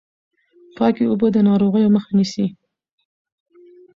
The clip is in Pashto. پاکې اوبه د ناروغیو مخه نیسي۔